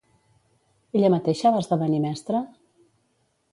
Ella mateixa va esdevenir mestra?